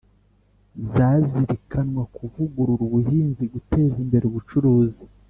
zazirikanwa kuvugurura ubuhinzi, guteza imbere ubucuruzi